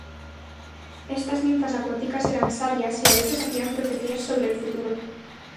Estas "ninfas acuáticas" eran sabias y a veces hacían profecías sobre el futuro.